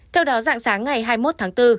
theo đó dạng sáng ngày hai mươi một tháng bốn